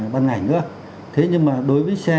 băng ảnh nữa thế nhưng mà đối với xe